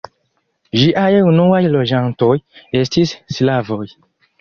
Ĝiaj unuaj loĝantoj estis slavoj.